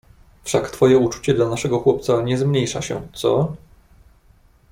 "Wszak twoje uczucie dla naszego chłopca nie zmniejsza się, co?"